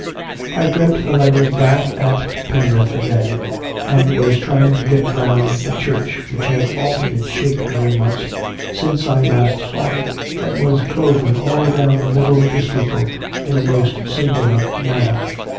I dreamed that I was back at Penrith again, and was trying to get round the church, which had altered its shape very much since I last saw it, and was cloven all down the middle of the steeple in a most singular manner.